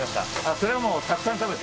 それはもうたくさん食べて。